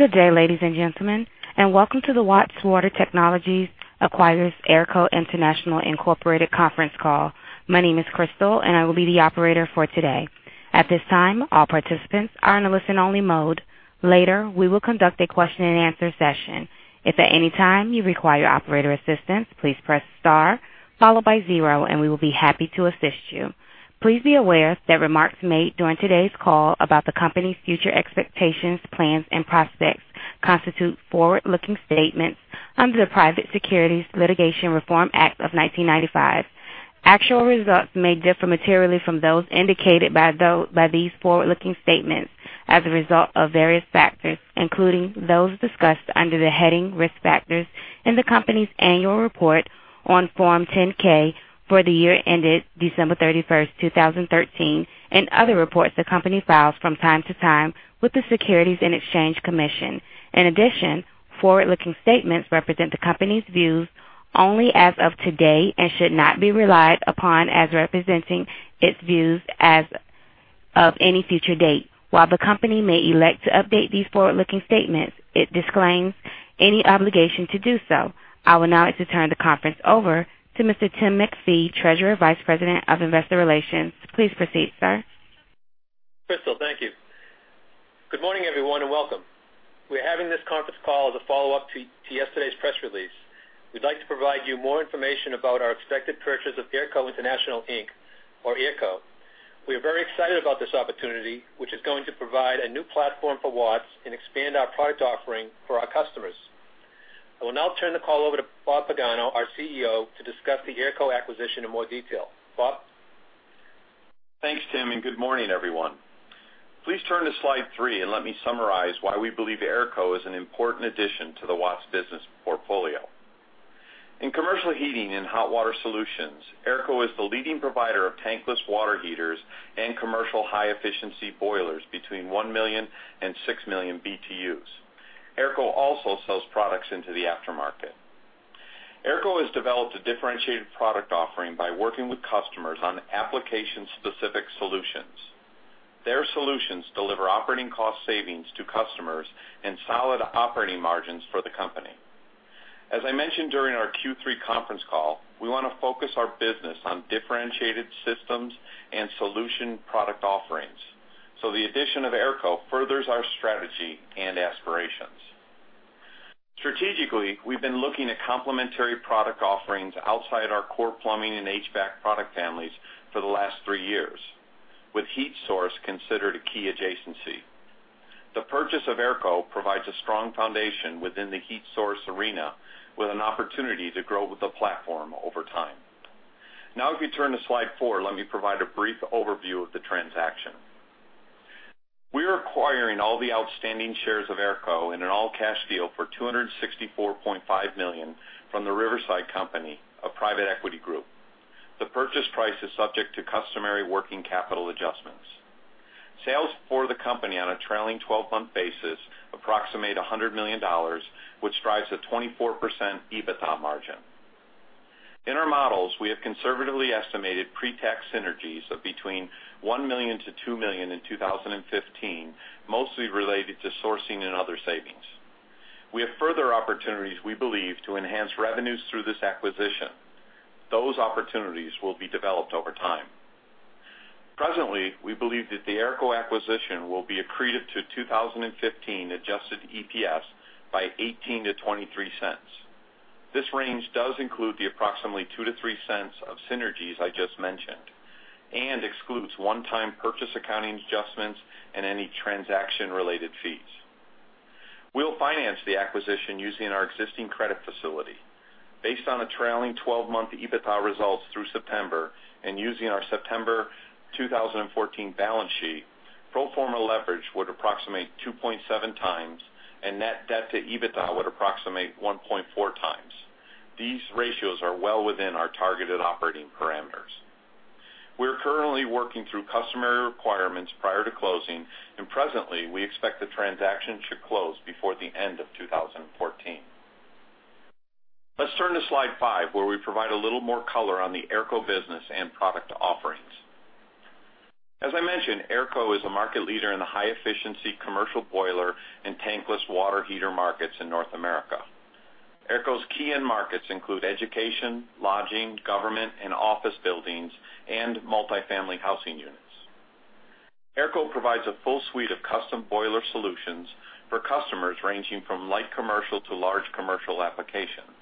Good day, ladies and gentlemen, and welcome to the Watts Water Technologies acquires AERCO International Incorporated conference call. My name is Crystal, and I will be the operator for today. At this time, all participants are in a listen-only mode. Later, we will conduct a question-and-answer session. If at any time you require operator assistance, please press star followed by zero, and we will be happy to assist you. Please be aware that remarks made during today's call about the company's future expectations, plans and prospects constitute forward-looking statements under the Private Securities Litigation Reform Act of 1995. Actual results may differ materially from those indicated by these forward-looking statements as a result of various factors, including those discussed under the heading Risk Factors in the company's Annual Report on Form 10-K for the year ended December 31, 2013, and other reports the company files from time to time with the Securities and Exchange Commission. In addition, forward-looking statements represent the company's views only as of today and should not be relied upon as representing its views as of any future date. While the company may elect to update these forward-looking statements, it disclaims any obligation to do so. I would now like to turn the conference over to Mr. Tim MacPhee, Treasurer and Vice President of Investor Relations. Please proceed, sir. Crystal, thank you. Good morning, everyone, and welcome. We're having this conference call as a follow-up to yesterday's press release. We'd like to provide you more information about our expected purchase of AERCO International, Inc., or AERCO. We are very excited about this opportunity, which is going to provide a new platform for Watts and expand our product offering for our customers. I will now turn the call over to Bob Pagano, our CEO, to discuss the AERCO acquisition in more detail. Bob? Thanks, Tim, and good morning, everyone. Please turn to slide 3 and let me summarize why we believe AERCO is an important addition to the Watts business portfolio. In commercial heating and hot water solutions, AERCO is the leading provider of tankless water heaters and commercial high-efficiency boilers between 1 million and 6 million BTUs. AERCO also sells products into the aftermarket. AERCO has developed a differentiated product offering by working with customers on application-specific solutions. Their solutions deliver operating cost savings to customers and solid operating margins for the company. As I mentioned during our Q3 conference call, we want to focus our business on differentiated systems and solution product offerings, so the addition of AERCO furthers our strategy and aspirations. Strategically, we've been looking at complementary product offerings outside our core plumbing and HVAC product families for the last 3 years, with heat source considered a key adjacency. The purchase of AERCO provides a strong foundation within the heat source arena, with an opportunity to grow the platform over time. Now, if you turn to slide four, let me provide a brief overview of the transaction. We are acquiring all the outstanding shares of AERCO in an all-cash deal for $264.5 million from The Riverside Company, a private equity group. The purchase price is subject to customary working capital adjustments. Sales for the company on a trailing twelve-month basis approximate $100 million, which drives a 24% EBITDA margin. In our models, we have conservatively estimated pre-tax synergies of between $1 million-$2 million in 2015, mostly related to sourcing and other savings. We have further opportunities, we believe, to enhance revenues through this acquisition. Those opportunities will be developed over time. Presently, we believe that the AERCO acquisition will be accretive to 2015 adjusted EPS by $0.18-$0.23. This range does include the approximately $0.02-$0.03 of synergies I just mentioned and excludes one-time purchase accounting adjustments and any transaction-related fees. We'll finance the acquisition using our existing credit facility. Based on a trailing twelve-month EBITDA results through September and using our September 2014 balance sheet, pro forma leverage would approximate 2.7 times, and net debt to EBITDA would approximate 1.4 times. These ratios are well within our targeted operating parameters. We are currently working through customary requirements prior to closing, and presently, we expect the transaction should close before the end of 2014. Let's turn to slide 5, where we provide a little more color on the AERCO business and product offerings. As I mentioned, AERCO is a market leader in the high-efficiency commercial boiler and tankless water heater markets in North America. AERCO's key end markets include education, lodging, government, and office buildings and multifamily housing units. AERCO provides a full suite of custom boiler solutions for customers ranging from light commercial to large commercial applications.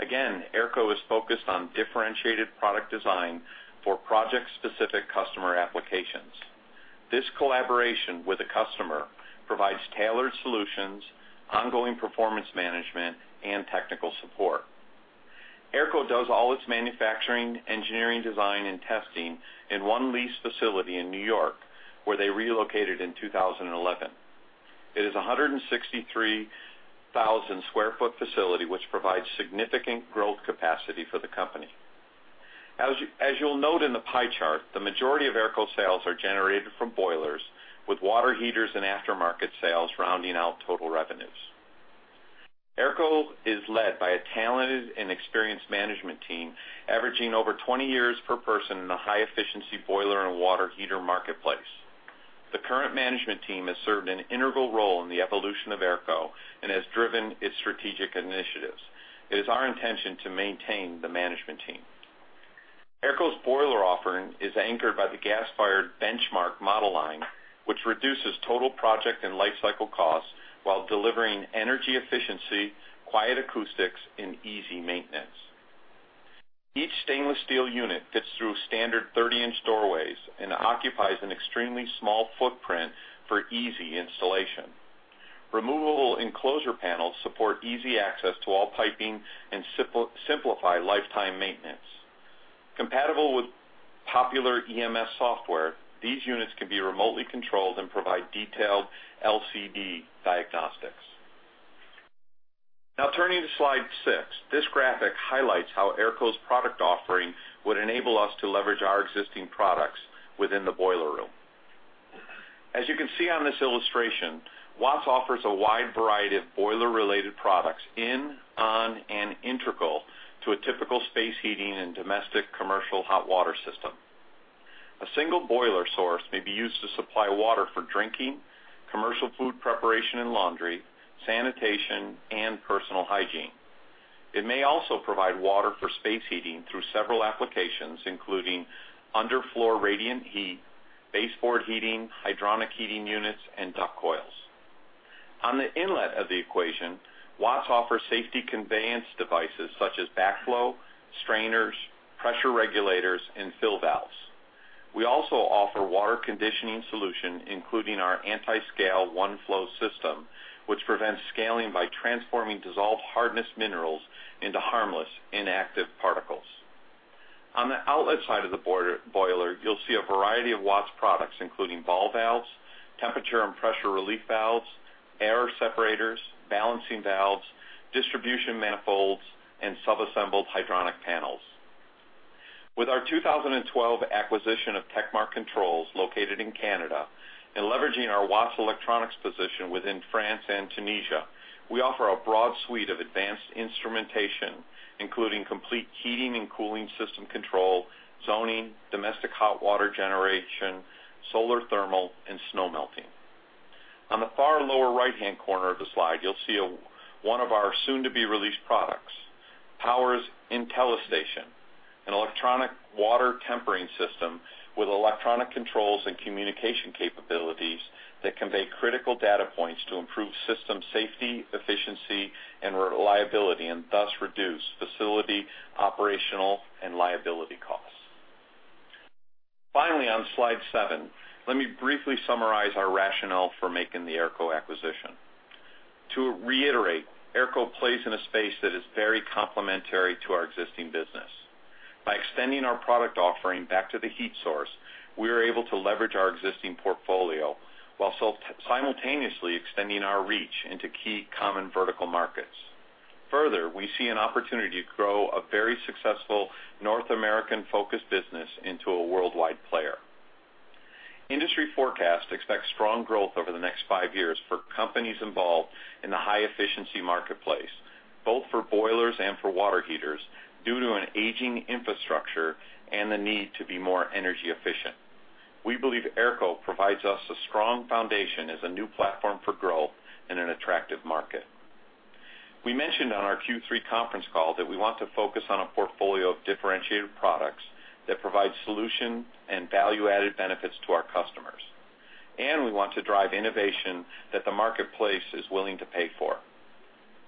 Again, AERCO is focused on differentiated product design for project-specific customer applications. This collaboration with the customer provides tailored solutions, ongoing performance management, and technical support. AERCO does all its manufacturing, engineering, design, and testing in one leased facility in New York, where they relocated in 2011. It is a 163,000 sq ft facility, which provides significant growth capacity for the company. As you'll note in the pie chart, the majority of AERCO sales are generated from boilers, with water heaters and aftermarket sales rounding out total revenues. AERCO is led by a talented and experienced management team, averaging over 20 years per person in the high-efficiency boiler and water heater marketplace. The current management team has served an integral role in the evolution of AERCO and has driven its strategic initiatives. It is our intention to maintain the management team. AERCO's boiler offering is anchored by the gas-fired Benchmark model line, which reduces total project and life cycle costs while delivering energy efficiency, quiet acoustics, and easy maintenance. Each stainless steel unit fits through standard 30-inch doorways and occupies an extremely small footprint for easy installation. Removable enclosure panels support easy access to all piping and simplify lifetime maintenance. Compatible with popular EMS software, these units can be remotely controlled and provide detailed LCD diagnostics. Now, turning to Slide 6, this graphic highlights how AERCO's product offering would enable us to leverage our existing products within the boiler room. As you can see on this illustration, Watts offers a wide variety of boiler-related products in, on, and integral to a typical space heating and domestic commercial hot water system. A single boiler source may be used to supply water for drinking, commercial food preparation and laundry, sanitation, and personal hygiene. It may also provide water for space heating through several applications, including underfloor radiant heat, baseboard heating, hydronic heating units, and duct coils. On the inlet of the equation, Watts offers safety conveyance devices such as backflow, strainers, pressure regulators, and fill valves. We also offer water conditioning solution, including our anti-scale OneFlow system, which prevents scaling by transforming dissolved hardness minerals into harmless, inactive particles. On the outlet side of the boiler, you'll see a variety of Watts products, including ball valves, temperature and pressure relief valves, air separators, balancing valves, distribution manifolds, and sub-assembled hydronic panels. With our 2012 acquisition of tekmar Control Systems, located in Canada, and leveraging our Watts electronics position within France and Tunisia, we offer a broad suite of advanced instrumentation, including complete heating and cooling system control, zoning, domestic hot water generation, solar thermal, and snow melting. On the far lower right-hand corner of the slide, you'll see one of our soon-to-be-released products, Powers' IntelliStation, an electronic water tempering system with electronic controls and communication capabilities that convey critical data points to improve system safety, efficiency, and reliability, and thus reduce facility, operational, and liability costs. Finally, on Slide 7, let me briefly summarize our rationale for making the AERCO acquisition. To reiterate, AERCO plays in a space that is very complementary to our existing business. By extending our product offering back to the heat source, we are able to leverage our existing portfolio while simultaneously extending our reach into key common vertical markets. Further, we see an opportunity to grow a very successful North American-focused business into a worldwide player. Industry forecasts expect strong growth over the next five years for companies involved in the high-efficiency marketplace, both for boilers and for water heaters, due to an aging infrastructure and the need to be more energy efficient. We believe AERCO provides us a strong foundation as a new platform for growth in an attractive market. We mentioned on our Q3 conference call that we want to focus on a portfolio of differentiated products that provide solution and value-added benefits to our customers, and we want to drive innovation that the marketplace is willing to pay for.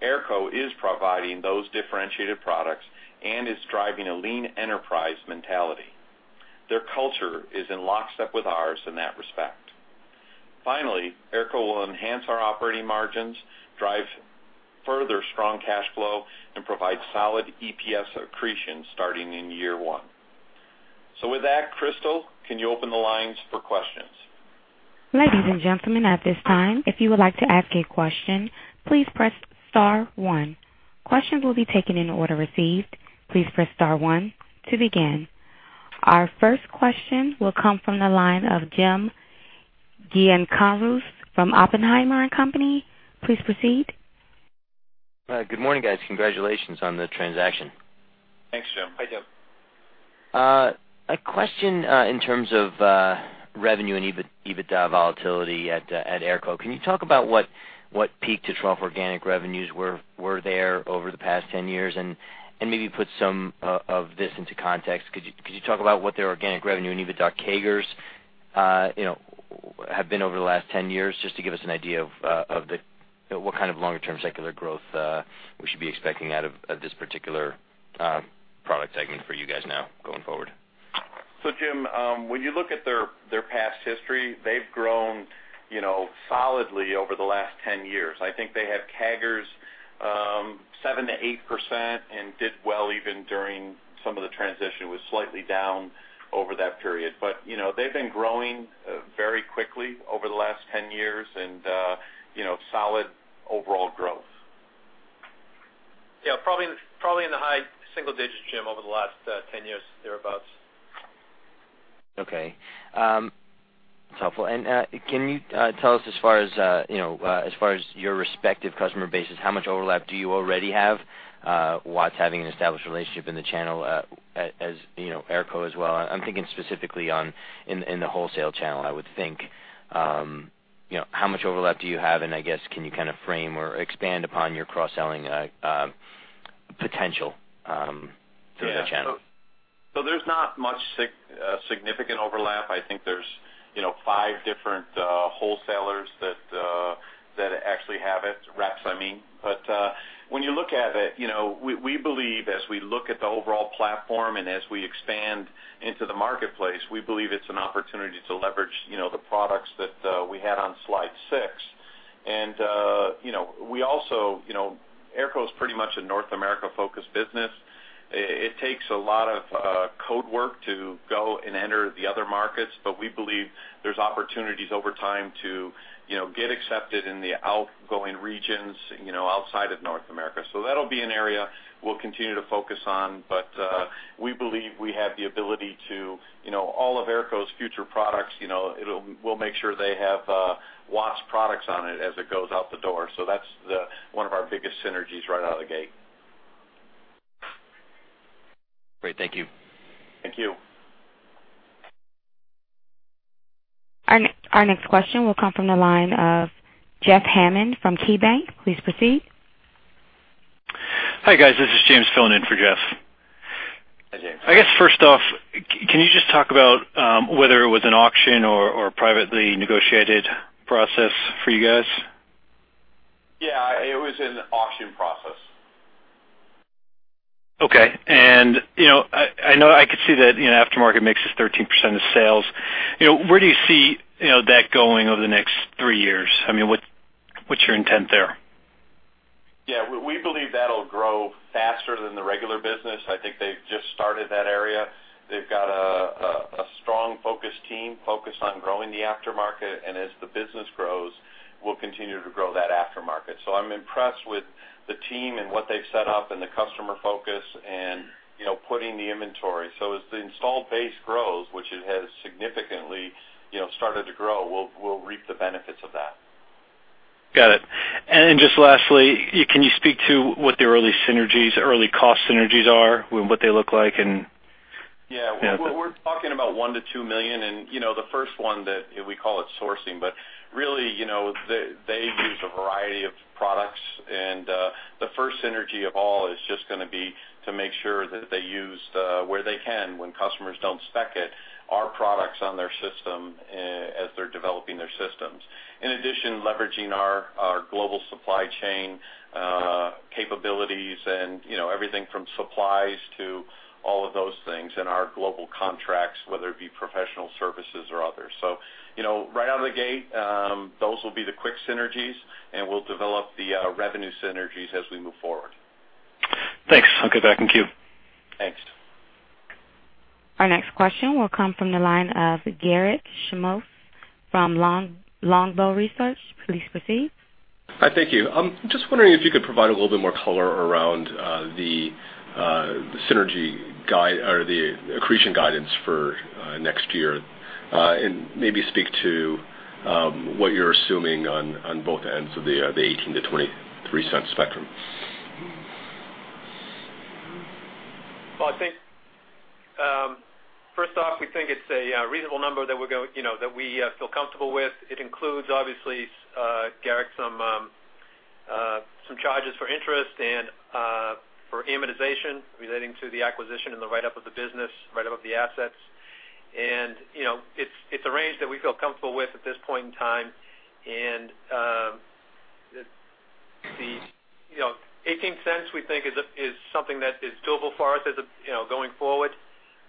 AERCO is providing those differentiated products and is driving a lean enterprise mentality. Their culture is in lockstep with ours in that respect. Finally, AERCO will enhance our operating margins, drive further strong cash flow, and provide solid EPS accretion starting in year one. With that, Crystal, can you open the lines for questions? Ladies and gentlemen, at this time, if you would like to ask a question, please press star one. Questions will be taken in the order received. Please press star one to begin. Our first question will come from the line of Jim Giannakouros from Oppenheimer & Co. Please proceed. Good morning, guys. Congratulations on the transaction. Thanks, Jim. Hi, Jim. A question, in terms of revenue and EBITDA volatility at AERCO. Can you talk about what peak-to-trough organic revenues were there over the past 10 years, and maybe put some of this into context? Could you talk about what their organic revenue and EBITDA CAGRs, you know, have been over the last 10 years, just to give us an idea of what kind of longer-term secular growth we should be expecting out of this particular product segment for you guys now going forward? So, Jim, when you look at their past history, they've grown, you know, solidly over the last 10 years. I think they had CAGRs, 7%-8% and did well even during some of the transition, was slightly down over that period. But, you know, they've been growing very quickly over the last 10 years and, you know, solid overall growth. Yeah, probably, probably in the high single digits, Jim, over the last 10 years, thereabouts.... Okay. That's helpful. And, can you tell us as far as you know, as far as your respective customer bases, how much overlap do you already have, Watts having an established relationship in the channel, as you know, AERCO as well? I'm thinking specifically in the wholesale channel, I would think. You know, how much overlap do you have? And I guess, can you kind of frame or expand upon your cross-selling potential through the channel? So there's not much significant overlap. I think there's, you know, 5 different wholesalers that actually have it, reps, I mean. But when you look at it, you know, we believe as we look at the overall platform and as we expand into the marketplace, we believe it's an opportunity to leverage, you know, the products that we had on slide 6. And you know, we also, you know, AERCO is pretty much a North America-focused business. It takes a lot of code work to go and enter the other markets, but we believe there's opportunities over time to, you know, get accepted in the outgoing regions, you know, outside of North America. So that'll be an area we'll continue to focus on, but we believe we have the ability to, you know, all of AERCO's future products, you know, we'll make sure they have Watts products on it as it goes out the door. So that's one of our biggest synergies right out of the gate. Great. Thank you. Thank you. Our next question will come from the line of Jeff Hammond from KeyBanc. Please proceed. Hi, guys. This is James filling in for Jeff. Hi, James. I guess first off, can you just talk about whether it was an auction or privately negotiated process for you guys? Yeah, it was an auction process. Okay. And, you know, I know I could see that, you know, aftermarket makes us 13% of sales. You know, where do you see, you know, that going over the next three years? I mean, what's your intent there? Yeah, we believe that'll grow faster than the regular business. I think they've just started that area. They've got a strong, focused team, focused on growing the aftermarket, and as the business grows, we'll continue to grow that aftermarket. So I'm impressed with the team and what they've set up and the customer focus and, you know, putting the inventory. So as the installed base grows, which it has significantly, you know, started to grow, we'll reap the benefits of that. Got it. And just lastly, can you speak to what the early synergies, early cost synergies are, what they look like and- Yeah. Yeah. We're talking about $1 million-$2 million, and, you know, the first one that we call it sourcing, but really, you know, they use a variety of products, and the first synergy of all is just gonna be to make sure that they use the, where they can, when customers don't spec it, our products on their system as they're developing their systems. In addition, leveraging our global supply chain capabilities and, you know, everything from supplies to all of those things, and our global contracts, whether it be professional services or others. So, you know, right out of the gate, those will be the quick synergies, and we'll develop the revenue synergies as we move forward. Thanks. I'll get back in queue. Thanks. Our next question will come from the line of Garrett Schmaltz from Longbow Research. Please proceed. Hi, thank you. I'm just wondering if you could provide a little bit more color around the synergy guide or the accretion guidance for next year. And maybe speak to what you're assuming on both ends of the $0.18-$0.23 spectrum. Well, I think first off, we think it's a reasonable number that we're go-- you know, that we feel comfortable with. It includes, obviously, Garrett, some charges for interest and for amortization relating to the acquisition and the write-up of the business, write-up of the assets. And, you know, it's a range that we feel comfortable with at this point in time. And, the, you know, $0.18, we think is something that is doable for us as a, you know, going forward.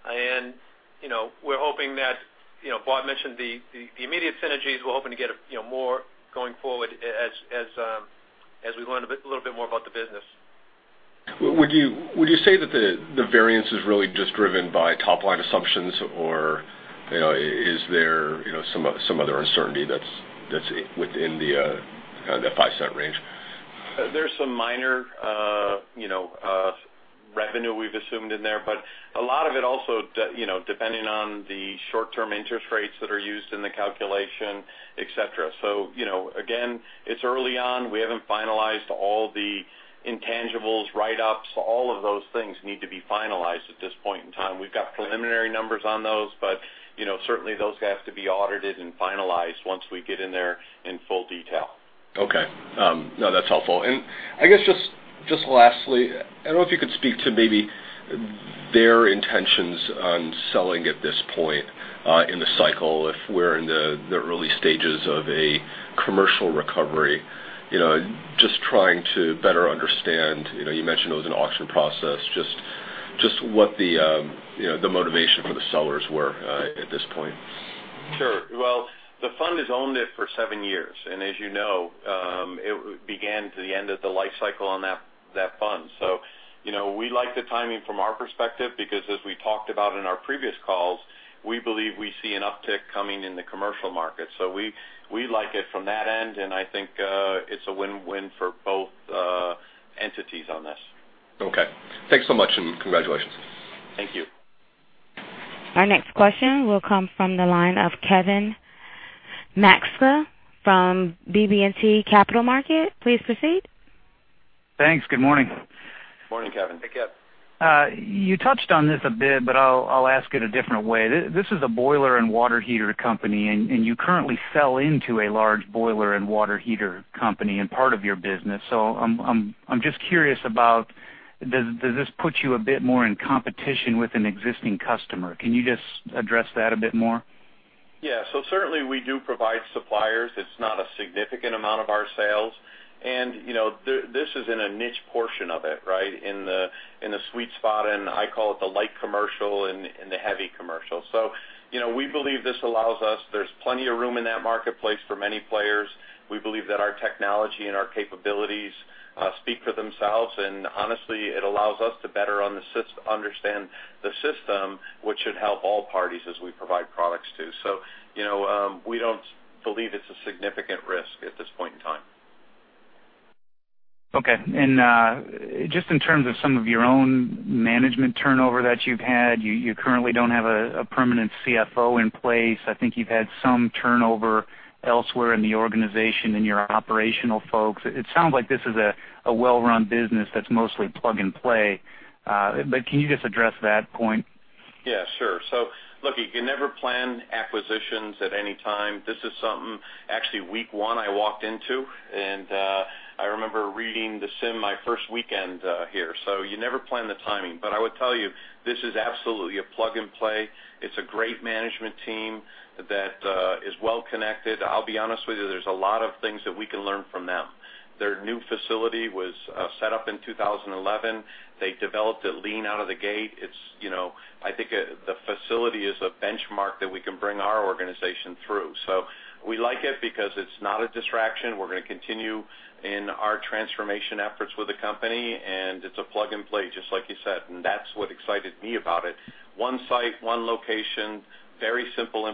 And, you know, we're hoping that, you know, Bob mentioned the immediate synergies. We're hoping to get, you know, more going forward as, as we learn a bit, little bit more about the business. Would you say that the variance is really just driven by top-line assumptions, or, you know, is there, you know, some other uncertainty that's within the kind of that $0.05 range? There's some minor, you know, revenue we've assumed in there, but a lot of it also you know, depending on the short-term interest rates that are used in the calculation, et cetera. So, you know, again, it's early on. We haven't finalized all the intangibles, write-ups. All of those things need to be finalized at this point in time. We've got preliminary numbers on those, but, you know, certainly those have to be audited and finalized once we get in there in full detail. Okay. No, that's helpful. And I guess just lastly, I don't know if you could speak to maybe their intentions on selling at this point in the cycle, if we're in the early stages of a commercial recovery. You know, just trying to better understand, you know, you mentioned it was an auction process, just what the motivation for the sellers were at this point? Sure. Well, the fund has owned it for seven years, and as you know, it's at the end of the life cycle of that fund. So, you know, we like the timing from our perspective, because as we talked about in our previous calls, we believe we see an uptick coming in the commercial market. So we like it from that end, and I think, it's a win-win for both entities on this.... Okay. Thanks so much, and congratulations! Thank you. Our next question will come from the line of Kevin Maczka from BB&T Capital Markets. Please proceed. Thanks. Good morning. Good morning, Kevin. Hey, Kev. You touched on this a bit, but I'll ask it a different way. This is a boiler and water heater company, and you currently sell into a large boiler and water heater company in part of your business. So I'm just curious about, does this put you a bit more in competition with an existing customer? Can you just address that a bit more? Yeah. So certainly we do provide suppliers. It's not a significant amount of our sales, and, you know, this is in a niche portion of it, right? In the, in the sweet spot, and I call it the light commercial and, and the heavy commercial. So you know, we believe this allows us. There's plenty of room in that marketplace for many players. We believe that our technology and our capabilities speak for themselves, and honestly, it allows us to better understand the system, which should help all parties as we provide products to. So, you know, we don't believe it's a significant risk at this point in time. Okay. And, just in terms of some of your own management turnover that you've had, you, you currently don't have a, a permanent CFO in place. I think you've had some turnover elsewhere in the organization, in your operational folks. It sounds like this is a, a well-run business that's mostly plug-and-play. But can you just address that point? Yeah, sure. So look, you can never plan acquisitions at any time. This is something, actually, week one I walked into, and I remember reading the CIM my first weekend here, so you never plan the timing. But I would tell you, this is absolutely a plug-and-play. It's a great management team that is well connected. I'll be honest with you, there's a lot of things that we can learn from them. Their new facility was set up in 2011. They developed it lean out of the gate. It's, you know, I think the facility is a benchmark that we can bring our organization through. So we like it because it's not a distraction. We're gonna continue in our transformation efforts with the company, and it's a plug and play, just like you said, and that's what excited me about it. One site, one location, very simple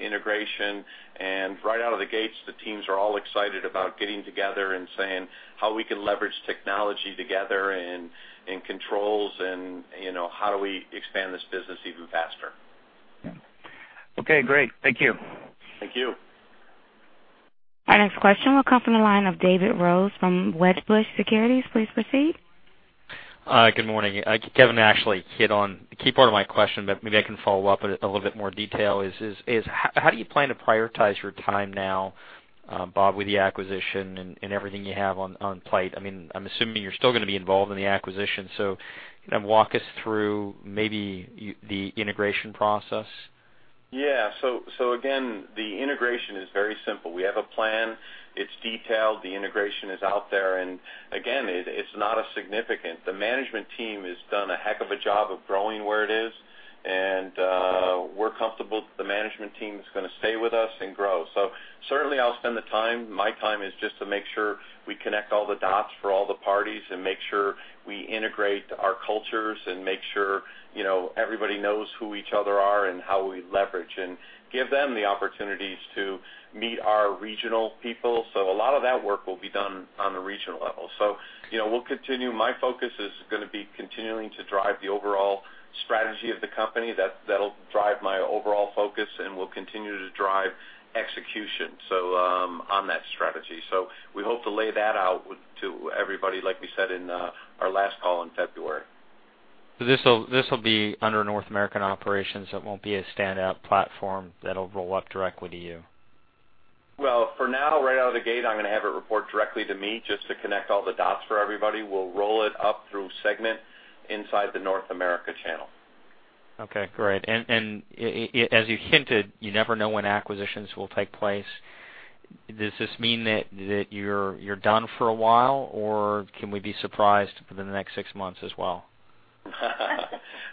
integration, and right out of the gates, the teams are all excited about getting together and saying how we can leverage technology together and controls and, you know, how do we expand this business even faster? Okay, great. Thank you. Thank you. Our next question will come from the line of David Rose from Wedbush Securities. Please proceed. Hi, good morning. Kevin actually hit on the key part of my question, but maybe I can follow up a little bit more detail: how do you plan to prioritize your time now, Bob, with the acquisition and everything you have on your plate? I mean, I'm assuming you're still gonna be involved in the acquisition, so kind of walk us through the integration process. Yeah. So, so again, the integration is very simple. We have a plan. It's detailed. The integration is out there, and again, it's not as significant. The management team has done a heck of a job of growing where it is, and, we're comfortable the management team is gonna stay with us and grow. So certainly I'll spend the time. My time is just to make sure we connect all the dots for all the parties and make sure we integrate our cultures and make sure, you know, everybody knows who each other are and how we leverage, and give them the opportunities to meet our regional people. So a lot of that work will be done on a regional level. So, you know, we'll continue. My focus is gonna be continuing to drive the overall strategy of the company. That, that'll drive my overall focus and will continue to drive execution, so, on that strategy. So we hope to lay that out to everybody, like we said in our last call in February. So this'll be under North American operations. It won't be a stand-up platform that'll roll up directly to you? Well, for now, right out of the gate, I'm gonna have it report directly to me just to connect all the dots for everybody. We'll roll it up through segment inside the North America channel. Okay, great. And as you hinted, you never know when acquisitions will take place. Does this mean that you're done for a while, or can we be surprised within the next six months as well?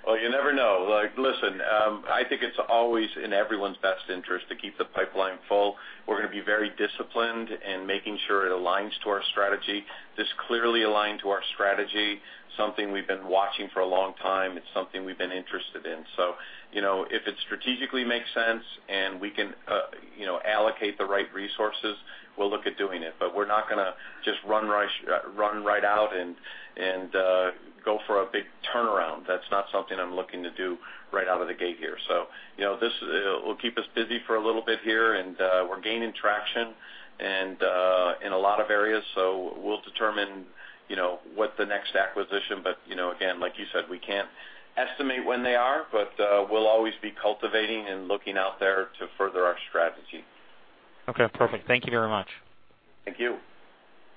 Well, you never know. Like, listen, I think it's always in everyone's best interest to keep the pipeline full. We're gonna be very disciplined in making sure it aligns to our strategy. This clearly aligned to our strategy, something we've been watching for a long time. It's something we've been interested in. So, you know, if it strategically makes sense and we can, you know, allocate the right resources, we'll look at doing it. But we're not gonna just run right out and go for a big turnaround. That's not something I'm looking to do right out of the gate here. So, you know, this will keep us busy for a little bit here, and we're gaining traction in a lot of areas. We'll determine, you know, what the next acquisition, but, you know, again, like you said, we can't estimate when they are, but we'll always be cultivating and looking out there to further our strategy. Okay, perfect. Thank you very much. Thank you.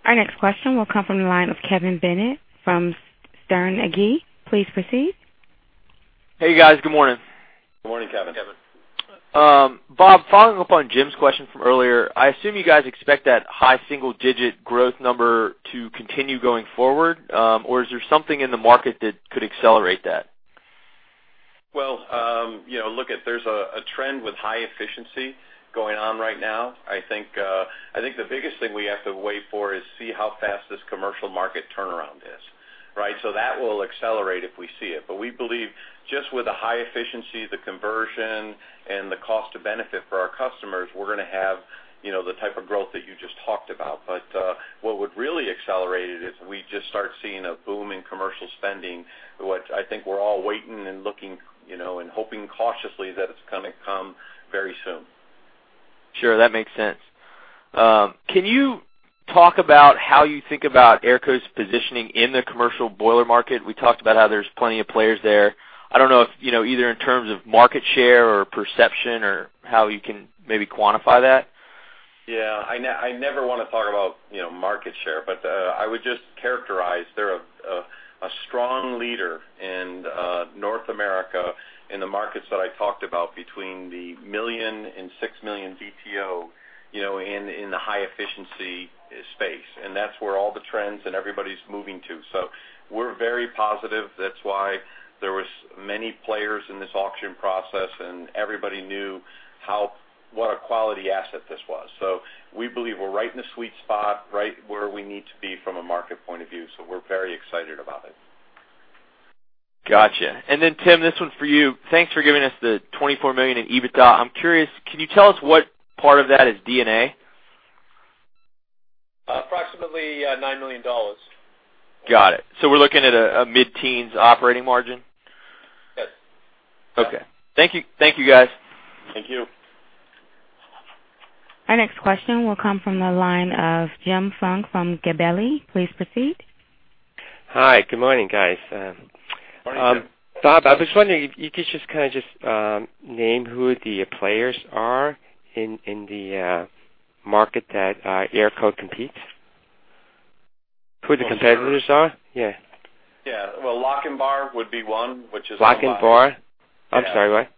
Our next question will come from the line of Kevin Bennett from Sterne Agee. Please proceed. Hey, guys. Good morning. Good morning, Kevin. Bob, following up on Jim's question from earlier, I assume you guys expect that high single-digit growth number to continue going forward, or is there something in the market that could accelerate that? Well, you know, look, that there's a trend with high efficiency going on right now. I think, I think the biggest thing we have to wait for is to see how fast this commercial market turnaround is. Right? So that will accelerate if we see it. But we believe just with the high efficiency, the conversion, and the cost of benefit for our customers, we're gonna have, you know, the type of growth that you just talked about. But, what would really accelerate it is if we just start seeing a boom in commercial spending, which I think we're all waiting and looking, you know, and hoping cautiously that it's gonna come very soon. Sure, that makes sense. Can you talk about how you think about AERCO's positioning in the commercial boiler market? We talked about how there's plenty of players there. I don't know if, you know, either in terms of market share or perception or how you can maybe quantify that. Yeah, I never wanna talk about, you know, market share, but I would just characterize they're a strong leader in North America in the markets that I talked about, between 1 million and 6 million BTU, you know, in the high efficiency space, and that's where all the trends and everybody's moving to. So we're very positive. That's why there was many players in this auction process, and everybody knew what a quality asset this was. So we believe we're right in the sweet spot, right where we need to be from a market point of view, so we're very excited about it. Gotcha. And then, Tim, this one's for you. Thanks for giving us the $24 million in EBITDA. I'm curious, can you tell us what part of that is DA? Approximately, $9 million. Got it. So we're looking at a mid-teens operating margin? Yes. Okay. Thank you. Thank you, guys. Thank you. Our next question will come from the line of Jim Funk from Gabelli. Please proceed. Hi, good morning, guys. Morning, Jim. Bob, I was wondering if you could just kind of name who the players are in the market that AERCO competes? Who the competitors are? Sure. Yeah. Yeah. Well, Lochinvar would be one, which is- Lochinvar? Yeah. I'm sorry, what?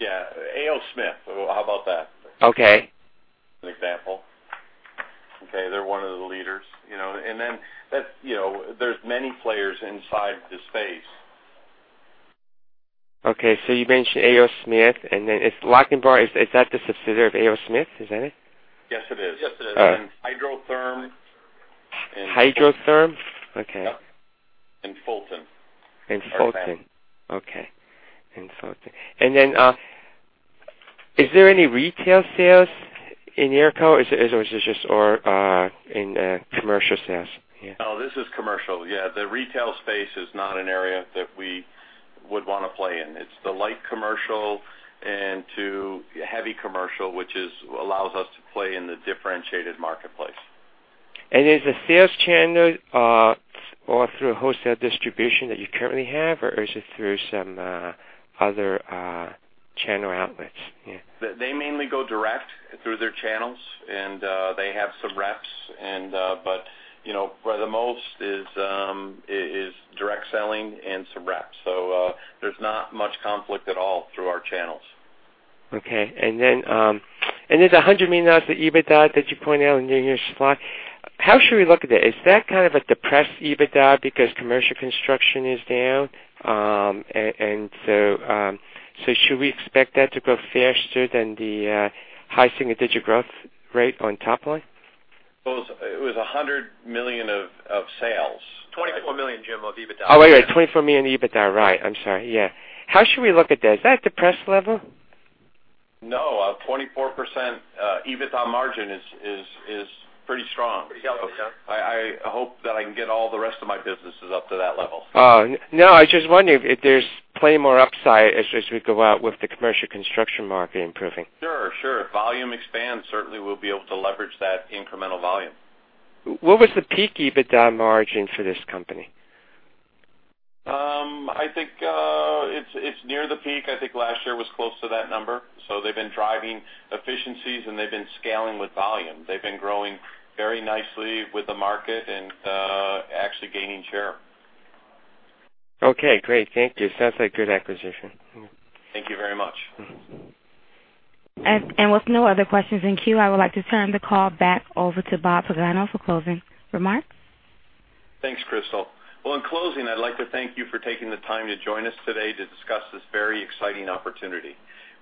Yeah. A. O. Smith, how about that? Okay. An example. Okay, they're one of the leaders, you know, and then that, you know, there's many players inside the space. Okay. So you mentioned A. O. Smith, and then, if Lochinvar is that the subsidiary of A. O. Smith? Is that it? Yes, it is. Yes, it is. All right. Hydrotherm. Hydrotherm? Okay. Yep, and Fulton. And Fulton. Okay. Okay, and Fulton. And then, is there any retail sales in AERCO, or is it just commercial sales? Yeah. No, this is commercial. Yeah, the retail space is not an area that we would wanna play in. It's the light commercial and to heavy commercial, which is, allows us to play in the differentiated marketplace. Is the sales channel all through wholesale distribution that you currently have, or is it through some other channel outlets? Yeah. They mainly go direct through their channels, and they have some reps and but, you know, for the most is direct selling and some reps. So, there's not much conflict at all through our channels. Okay. And then, and there's $100 million of EBITDA that you pointed out in your slide. How should we look at it? Is that kind of a depressed EBITDA because commercial construction is down? And so should we expect that to grow faster than the high single-digit growth rate on top line? Well, it was $100 million of, of sales. $24 million, Jim, of EBITDA. Oh, wait, $24 million EBITDA. Right. I'm sorry. Yeah. How should we look at this? Is that depressed level? No, 24% EBITDA margin is pretty strong. Yeah. I hope that I can get all the rest of my businesses up to that level. Oh, no, I just wonder if there's plenty more upside as we go out with the commercial construction market improving. Sure, sure. Volume expands, certainly we'll be able to leverage that incremental volume. What was the peak EBITDA margin for this company? I think it's near the peak. I think last year was close to that number, so they've been driving efficiencies, and they've been scaling with volume. They've been growing very nicely with the market and, actually gaining share. Okay, great. Thank you. Sounds like good acquisition. Thank you very much. With no other questions in queue, I would like to turn the call back over to Bob Pagano for closing remarks. Thanks, Crystal. Well, in closing, I'd like to thank you for taking the time to join us today to discuss this very exciting opportunity.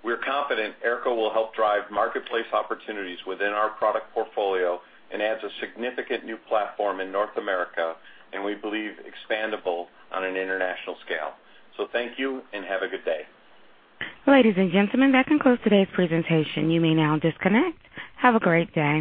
We're confident AERCO will help drive marketplace opportunities within our product portfolio and adds a significant new platform in North America, and we believe expandable on an international scale. So thank you, and have a good day. Ladies and gentlemen, that concludes today's presentation. You may now disconnect. Have a great day.